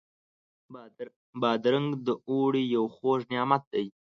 بادرنګ د اوړي یو خوږ نعمت دی.